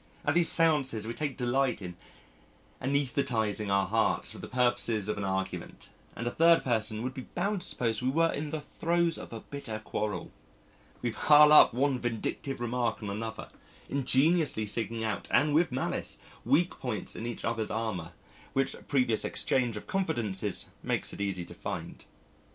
At these seances we take delight in anaesthetising our hearts for the purposes of argument, and a third person would be bound to suppose we were in the throes of a bitter quarrel. We pile up one vindictive remark on another, ingeniously seeking out and with malice weak points in each other's armour, which previous exchange of confidences makes it easy to find.